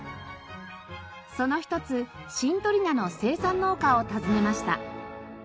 その一つシントリ菜の生産農家を訪ねました。